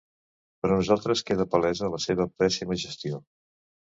Per a nosaltres queda palesa la seva pèssima gestió!